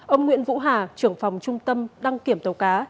ông nguyễn vũ hà trưởng phòng trung tâm đăng kiểm tàu cá